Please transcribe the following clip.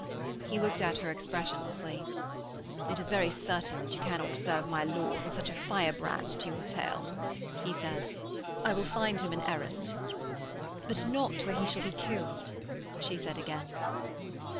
He looked at her expressionlessly: 'It is very certain that you can not serve my lord with such a firebrand to your tail,' he said. 'I will find him an errand.' 'But not where he shall be killed,' she said again.